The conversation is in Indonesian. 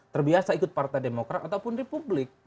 terbiasa ikut partai demokrat ataupun republik